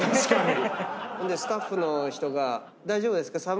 スタッフの人が大丈夫ですか？